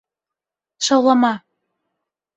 Шаулама!